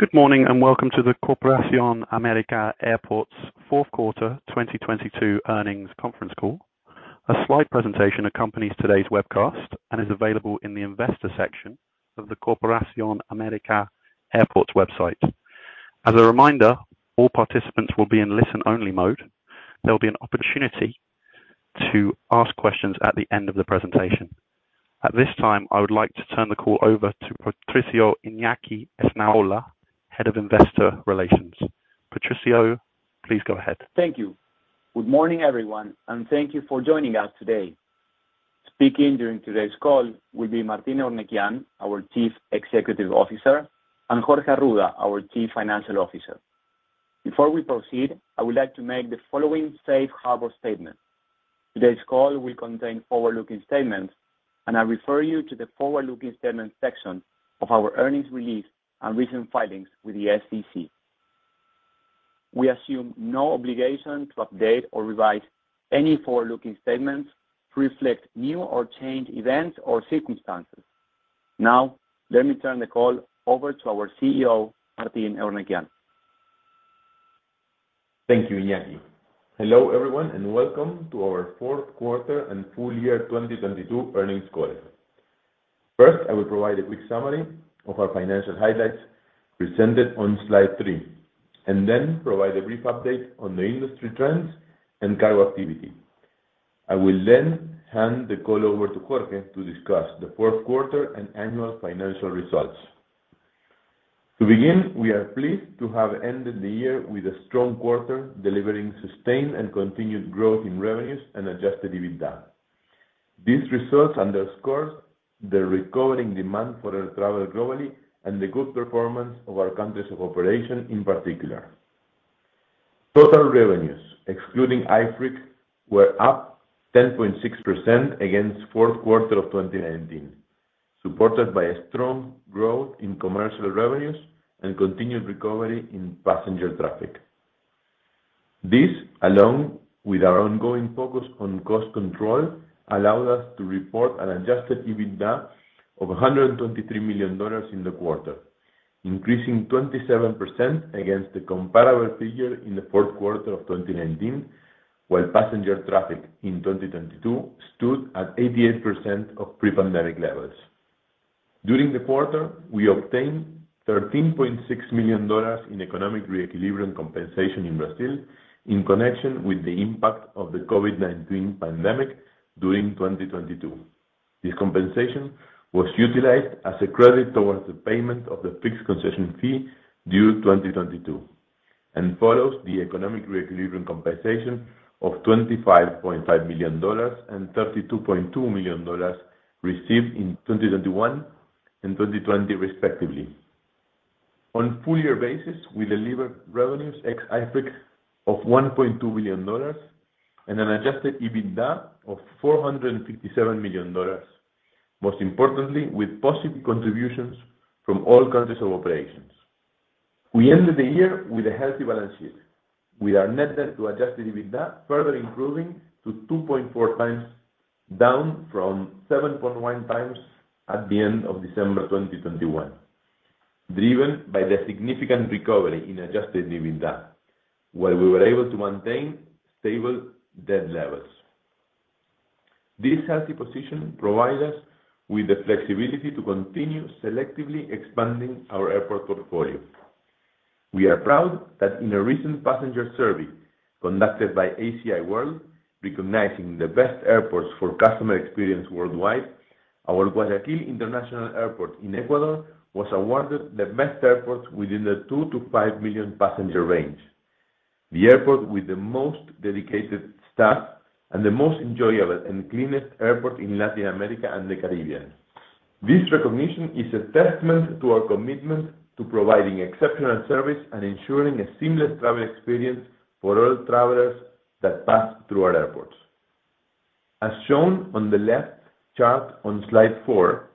Good morning and welcome to the Corporación América Airports Fourth Quarter 2022 Earnings Conference Call. A slide presentation accompanies today's webcast and is available in the investor section of the Corporación América Airports website. As a reminder, all participants will be in listen-only mode. There will be an opportunity to ask questions at the end of the presentation. At this time, I would like to turn the call over to Patricio Iñaki Esnaola, Head of Investor Relations. Patricio, please go ahead. Thank you. Good morning, everyone, and thank you for joining us today. Speaking during today's call will be Martín Eurnekian, our Chief Executive Officer, and Jorge Arruda, our Chief Financial Officer. Before we proceed, I would like to make the following safe harbor statement. Today's call will contain forward-looking statements, and I refer you to the forward-looking statements section of our earnings release and recent filings with the SEC. We assume no obligation to update or revise any forward-looking statements to reflect new or changed events or circumstances. Now, let me turn the call over to our CEO, Martín Eurnekian. Thank you, Iñaki. Hello, everyone, and welcome to our Fourth Quarter and Full-Year 2022 Earnings Call. First, I will provide a quick summary of our financial highlights presented on slide three, and then provide a brief update on the industry trends and cargo activity. I will then hand the call over to Jorge to discuss the fourth quarter and annual financial results. To begin, we are pleased to have ended the year with a strong quarter delivering sustained and continued growth in revenues and adjusted EBITDA. These results underscore the recovering demand for air travel globally and the good performance of our countries of operation in particular. Total revenues, excluding IFRIC, were up 10.6% against fourth quarter of 2019, supported by a strong growth in commercial revenues and continued recovery in passenger traffic. This, along with our ongoing focus on cost control allowed us to report an adjusted EBITDA of $123 million in the quarter increasing 27% against the comparable figure in the fourth quarter of 2019, while passenger traffic in 2022 stood at 88% of pre-pandemic levels. During the quarter, we obtained $13.6 million in economic re-equilibrium compensation in Brazil in connection with the impact of the COVID-19 pandemic during 2022. This compensation was utilized as a credit towards the payment of the fixed concession fee due 2022 and follows the economic re-equilibrium compensation of $25.5 million and $32.2 million received in 2021 and 2020 respectively. On a full-year basis, we delivered revenues ex-IFRIC of $1.2 billion and an adjusted EBITDA of $457 million, most importantly with positive contributions from all countries of operations. We ended the year with a healthy balance sheet. With our net debt to adjusted EBITDA further improving to 2.4x, down from 7.1x at the end of December 2021, driven by the significant recovery in adjusted EBITDA where we were able to maintain stable debt levels. This healthy position provide us with the flexibility to continue selectively expanding our airport portfolio. We are proud that in a recent passenger survey conducted by ACI World recognizing the best airports for customer experience worldwide, our Guayaquil International Airport in Ecuador was awarded the best airport within the 2 million to 5 million passenger range, the airport with the most dedicated staff, and the most enjoyable and cleanest airport in Latin America and the Caribbean. This recognition is a testament to our commitment to providing exceptional service and ensuring a seamless travel experience for all travelers that pass through our airports. As shown on the left chart on slide four,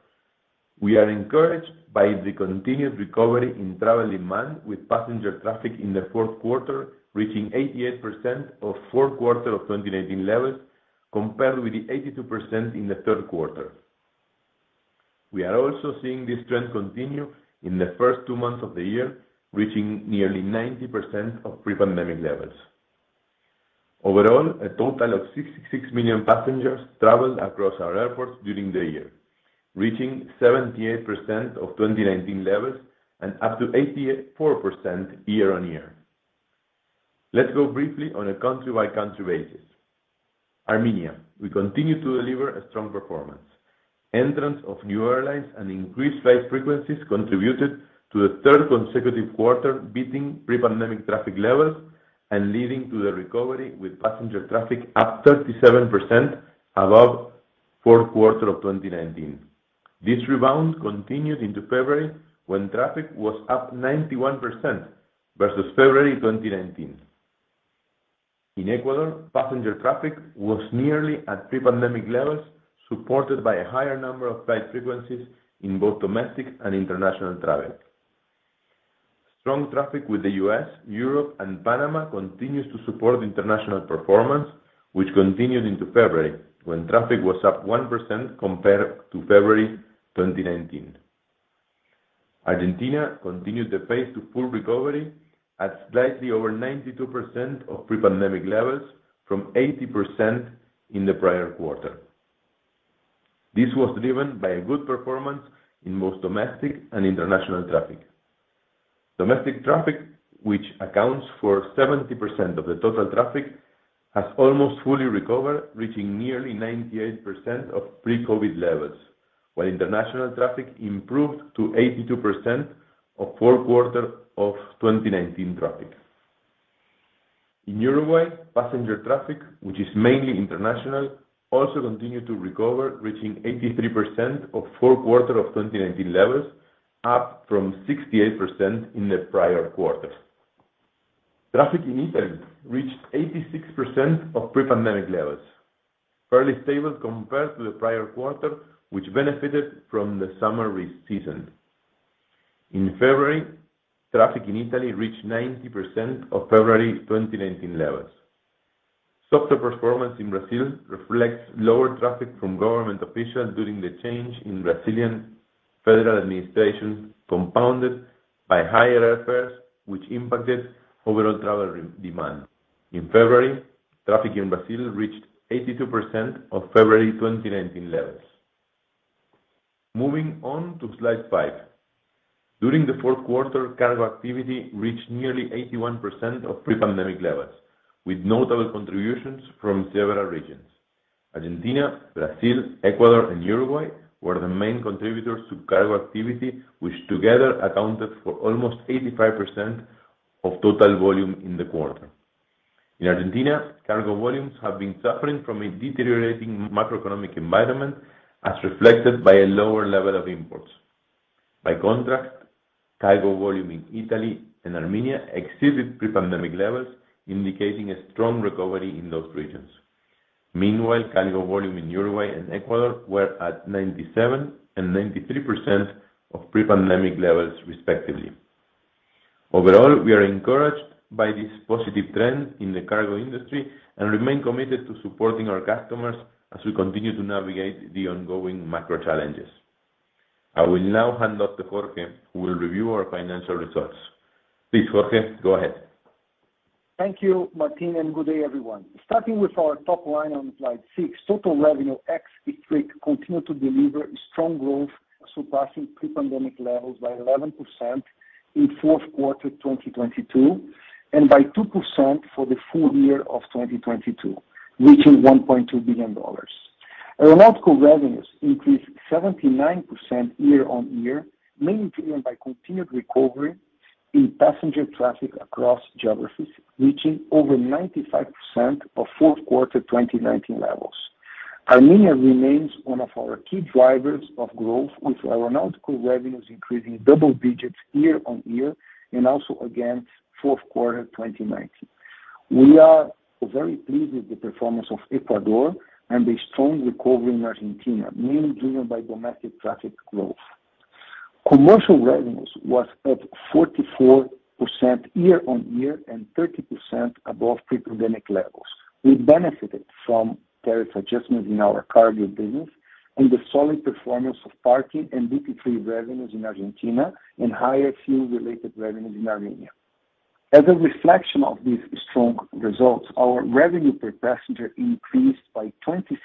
we are encouraged by the continued recovery in travel demand, with passenger traffic in the fourth quarter reaching 88% of fourth quarter of 2019 levels compared with the 82% in the third quarter. We are also seeing this trend continue in the first two months of the year, reaching nearly 90% of pre-pandemic levels. Overall, a total of 66 million passengers traveled across our airports during the year reaching 78% of 2019 levels and up to 84% year-on-year. Let's go briefly on a country-by-country basis. Armenia, we continue to deliver a strong performance. Entrance of new airlines and increased flight frequencies contributed to the third consecutive quarter, beating pre-pandemic traffic levels and leading to the recovery with passenger traffic up 37% above fourth quarter of 2019. This rebound continued into February, when traffic was up 91% versus February 2019. In Ecuador, passenger traffic was nearly at pre-pandemic levels, supported by a higher number of flight frequencies in both domestic and international travel. Strong traffic with the U.S., Europe, and Panama continues to support international performance, which continued into February, when traffic was up 1% compared to February 2019. Argentina continued the pace to full recovery at slightly over 92% of pre-pandemic levels from 80% in the prior quarter. This was driven by a good performance in most domestic and international traffic. Domestic traffic, which accounts for 70% of the total traffic, has almost fully recovered, reaching nearly 98% of pre-COVID levels, while international traffic improved to 82% of fourth quarter of 2019 traffic. In Uruguay, passenger traffic, which is mainly international, also continued to recover, reaching 83% of fourth quarter of 2019 levels, up from 68% in the prior quarter. Traffic in Italy reached 86% of pre-pandemic levels, fairly stable compared to the prior quarter, which benefited from the summer season. In February, traffic in Italy reached 90% of February 2019 levels. Softer performance in Brazil reflects lower traffic from government officials during the change in Brazilian Federal Administration compounded by higher airfares, which impacted overall travel re-demand. In February, traffic in Brazil reached 82% of February 2019 levels. Moving on to slide five. During the fourth quarter, cargo activity reached nearly 81% of pre-pandemic levels with notable contributions from several regions. Argentina, Brazil, Ecuador, and Uruguay were the main contributors to cargo activity, which together accounted for almost 85% of total volume in the quarter. In Argentina, cargo volumes have been suffering from a deteriorating macroeconomic environment as reflected by a lower level of imports. By contrast, cargo volume in Italy and Armenia exceeded pre-pandemic levels, indicating a strong recovery in those regions. Meanwhile, cargo volume in Uruguay and Ecuador were at 97% and 93% of pre-pandemic levels respectively. Overall, we are encouraged by this positive trend in the cargo industry and remain committed to supporting our customers as we continue to navigate the ongoing macro challenges. I will now hand off to Jorge, who will review our financial results. Please, Jorge, go ahead. Thank you, Martin, and good day, everyone. Starting with our top line on slide six, total revenue ex-IFRIC continued to deliver strong growth, surpassing pre-pandemic levels by 11% in fourth quarter 2022 and by 2% for the full- year of 2022 reaching $1.2 billion. Aeronautical revenues increased 79% year-on-year, mainly driven by continued recovery in passenger traffic across geographies reaching over 95% of fourth quarter 2019 levels. Armenia remains one of our key drivers of growth with aeronautical revenues increasing double-digits year-on-year and also against fourth quarter 2019. We are very pleased with the performance of Ecuador and the strong recovery in Argentina, mainly driven by domestic traffic growth. Commercial revenues was at 44% year-on-year and 30% above pre-pandemic levels. We benefited from tariff adjustments in our cargo business and the solid performance of parking, and duty-free revenues in Argentina, and higher fuel-related revenues in Armenia. As a reflection of these strong results, our revenue per passenger increased by 26%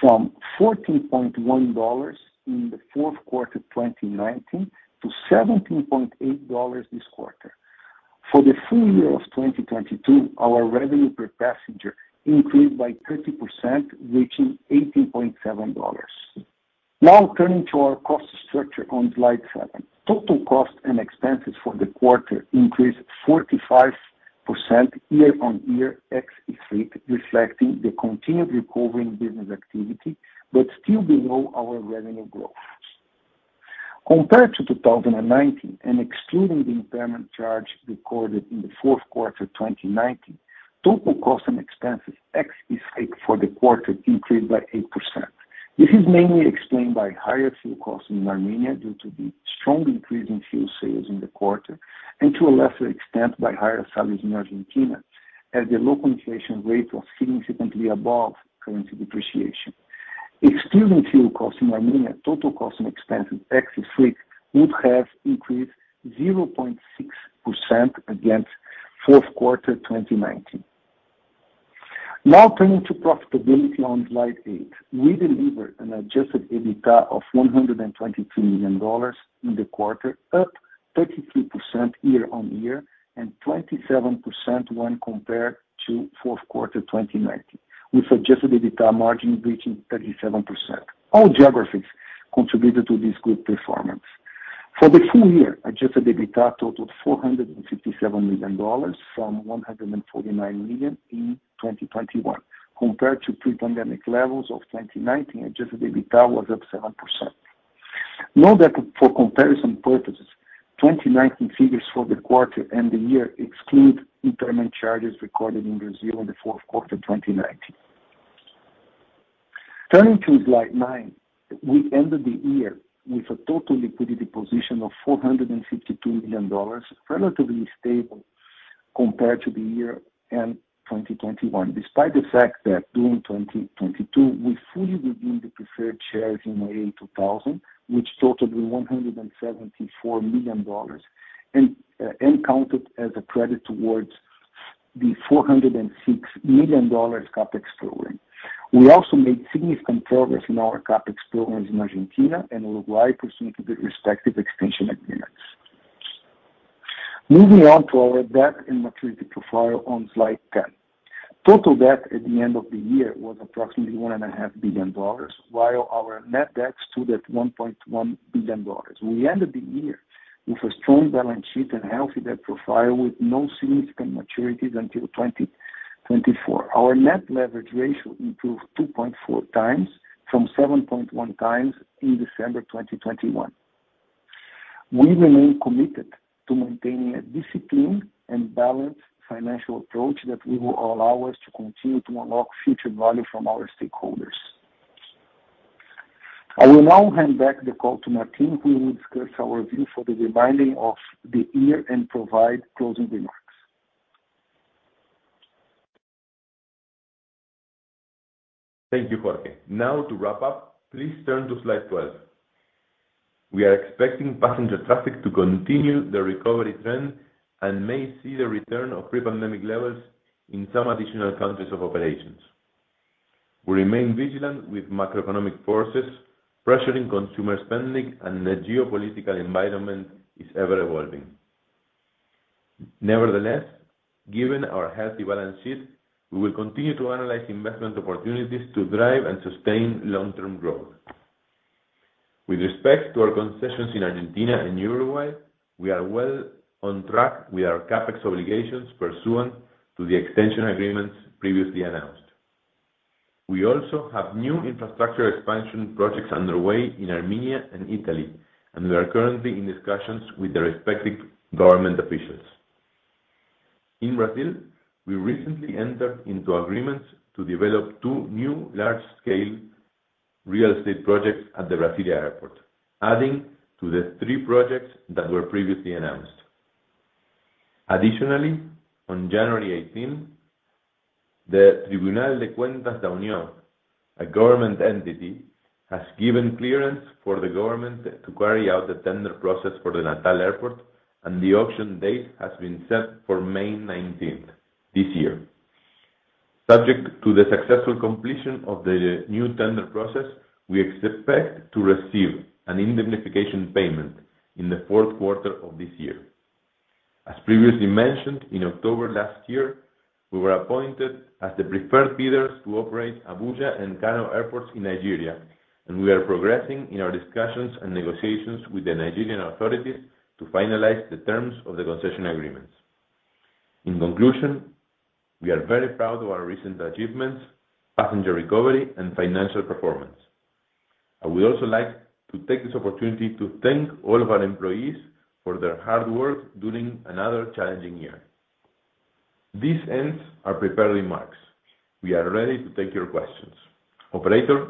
from $14.1 in the fourth quarter 2019 to $17.8 this quarter. For the full-year of 2022, our revenue per passenger increased by 30%, reaching $18.7. Turning to our cost structure on slide seven. Total cost and expenses for the quarter increased 45% year-on-year ex-IFRIC reflecting the continued recovery in business activity but still below our revenue growth. Compared to 2019 and excluding the impairment charge recorded in the fourth quarter 2019, total cost and expenses ex-IFRIC for the quarter increased by 8%. This is mainly explained by higher fuel costs in Armenia due to the strong increase in fuel sales in the quarter and to a lesser extent by higher salaries in Argentina as the local inflation rate was significantly above currency depreciation. Excluding fuel costs in Armenia, total cost and expenses ex-IFRIC would have increased 0.6% against fourth quarter 2019. Turning to profitability on slide eight. We delivered an adjusted EBITDA of $122 million in the quarter, up 33% year-over-year and 27% when compared to fourth quarter 2019 with adjusted EBITDA margin reaching 37%. All geographies contributed to this good performance. For the full-year adjusted EBITDA totaled $467 million from $149 million in 2021 compared to pre-pandemic levels of 2019, adjusted EBITDA was up 7%. Note that for comparison purposes, 2019 figures for the quarter and the year exclude impairment charges recorded in Brazil in the fourth quarter 2019. Turning to slide nine, we ended the year with a total liquidity position of $452 million, relatively stable compared to the year-end 2021, despite the fact that during 2022, we fully redeemed the preferred shares in May 2022, which totaled $174 million and counted as a credit towards the $406 million CapEx program. We also made significant progress in our CapEx programs in Argentina and Uruguay pursuant to the respective extension agreements. Moving on to our debt and maturity profile on slide 10. Total debt at the end of the year was approximately one and a $1.5 billion, while our net debt stood at $1.1 billion. We ended the year with a strong balance sheet and healthy debt profile, with no significant maturities until 2024. Our net leverage ratio improved 2.4x from 7.1x in December, 2021. We remain committed to maintaining a disciplined and balanced financial approach that will allow us to continue to unlock future value from our stakeholders. I will now hand back the call to Martin who will discuss our view for the remaining of the year and provide closing remarks. Thank you, Jorge. Now to wrap up, please turn to slide 12. We are expecting passenger traffic to continue the recovery trend and may see the return of pre-pandemic levels in some additional countries of operations. We remain vigilant with macroeconomic forces pressuring consumer spending and the geopolitical environment is ever-evolving. Nevertheless, given our healthy balance sheet, we will continue to analyze investment opportunities to drive and sustain long-term growth. With respect to our concessions in Argentina and Uruguay, we are well on track with our CapEx obligations pursuant to the extension agreements previously announced. We also have new infrastructure expansion projects underway in Armenia and Italy, and we are currently in discussions with the respective government officials. In Brazil, we recently entered into agreements to develop two new large-scale real estate projects at the Brasilia Airport, adding to the three projects that were previously announced. Additionally, on January 18, the Tribunal de Contas da União, a government entity, has given clearance for the government to carry out the tender process for the Natal airport, and the auction date has been set for May 19th this year. Subject to the successful completion of the new tender process, we expect to receive an indemnification payment in the fourth quarter of this year. As previously mentioned, in October last year, we were appointed as the preferred bidders to operate Abuja and Kano airports in Nigeria, and we are progressing in our discussions and negotiations with the Nigerian authorities to finalize the terms of the concession agreements. In conclusion, we are very proud of our recent achievements, passenger recovery, and financial performance. I would also like to take this opportunity to thank all of our employees for their hard work during another challenging year. This ends our prepared remarks. We are ready to take your questions. Operator,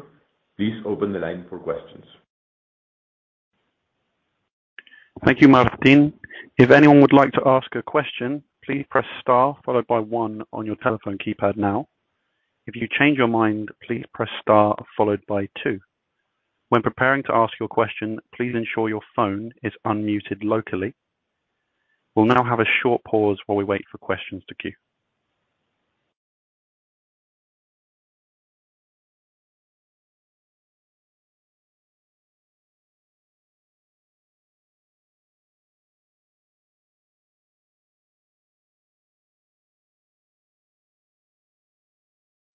please open the line for questions. Thank you, Martín. If anyone would like to ask a question, please press star followed by one on your telephone keypad now. If you change your mind, please press star followed by two When preparing to ask your question, please ensure your phone is unmuted locally. We'll now have a short pause while we wait for questions to queue.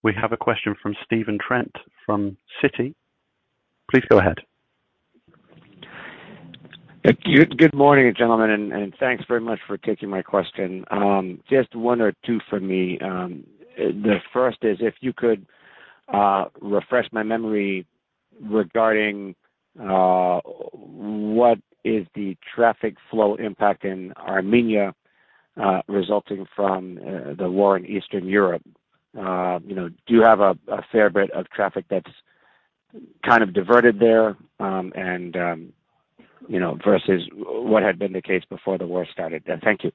We have a question from Stephen Trent from Citi. Please go ahead. Thank you. Good morning, gentlemen, and thanks very much for taking my question. Just one or two from me. The first is if you could refresh my memory regarding what is the traffic flow impact in Armenia resulting from the war in Eastern Europe. You know, do you have a fair bit of traffic that's kind of diverted there, and versus what had been the case before the war started? Thank you.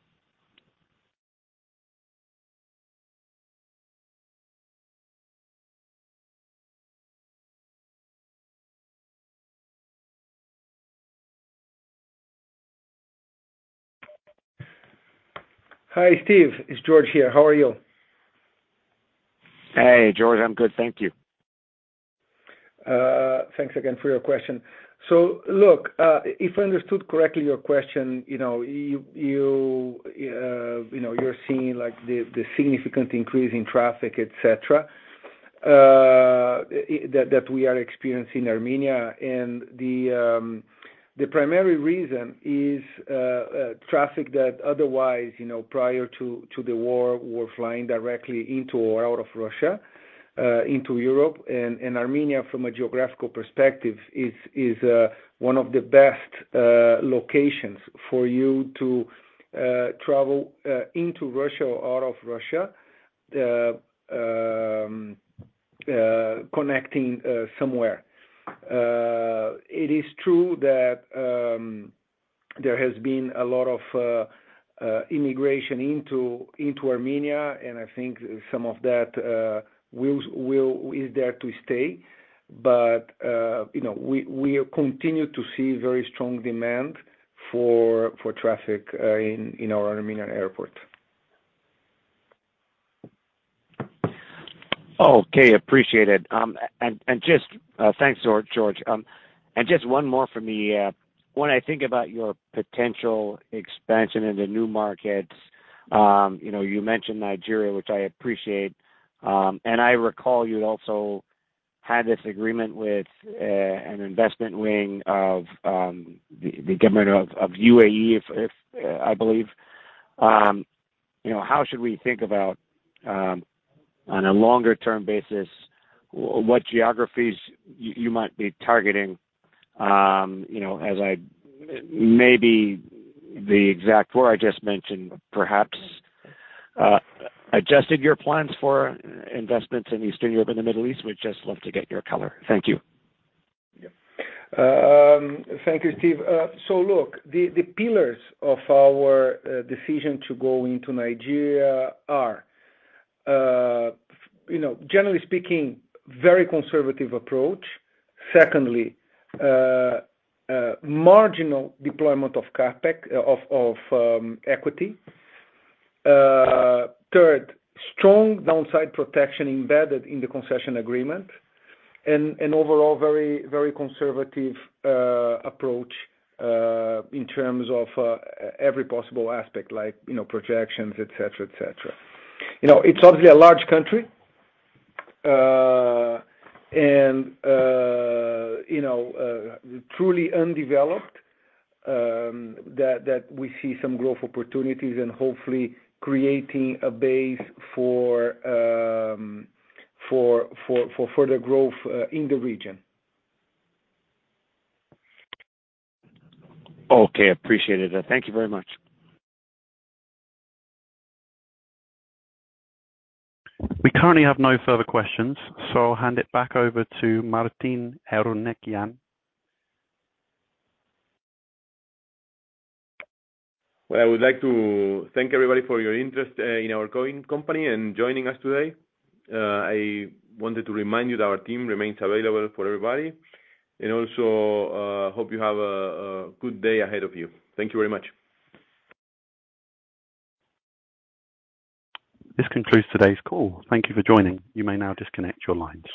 Hi, Steve. It's Jorge here. How are you? Hey, Jorge. I'm good, thank you. Thanks again for your question. Look, if I understood correctly your question, you know, you're seeing, like, the significant increase in traffic, et cetera, that we are experiencing in Armenia. The primary reason is traffic that otherwise prior to the war, were flying directly into or out of Russia, into Europe. Armenia, from a geographical perspective, is one of the best locations for you to travel into Russia or out of Russia connecting somewhere. It is true that there has been a lot of immigration into Armenia and I think some of that will is there to stay. You know, we continue to see very strong demand for traffic in our Armenian airport. Okay. Appreciate it. Thanks, Jorge, and just one more from me. When I think about your potential expansion into new markets, you know, you mentioned Nigeria, which I appreciate, and I recall you also had this agreement with an investment wing of the government of UAE, I believe. You know, how should we think about on a longer term basis, what geographies you might be targeting? You know, maybe the exact four I just mentioned, perhaps adjusted your plans for investments in Eastern Europe and the Middle East. We'd just love to get your color. Thank you. Yeah. Thank you, Steve. Look, the pillars of our decision to go into Nigeria are, you know, generally speaking very conservative approach. Secondly, marginal deployment of CapEx of equity. Third, strong downside protection embedded in the concession agreement and overall, very conservative approach in terms of every possible aspect like projections, et cetera, et cetera. It's obviously a large country and truly undeveloped that we see some growth opportunities and hopefully creating a base for further growth in the region. Okay. Appreciate it. Thank you very much. We currently have no further questions, so I'll hand it back over to Martin Eurnekian. Well, I would like to thank everybody for your interest in our growing company and joining us today. I wanted to remind you that our team remains available for everybody. Also, hope you have a good day ahead of you. Thank you very much. This concludes today's call. Thank you for joining. You may now disconnect your lines.